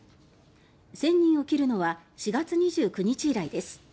１０００人を切るのは４月２９日以来です。